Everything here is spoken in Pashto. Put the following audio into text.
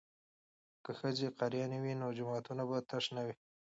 که ښځې قاریانې وي نو جوماتونه به تش نه وي.